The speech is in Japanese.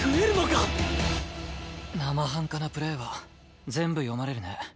生半可なプレーは全部読まれるね。